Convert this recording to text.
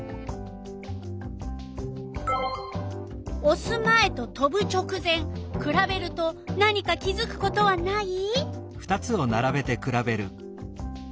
おす前と飛ぶ直前くらべると何か気づくことはない？